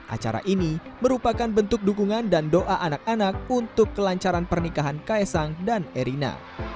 acara ini merupakan bentuk dukungan dan doa anak anak untuk kelancaran pernikahan kaisang dan erina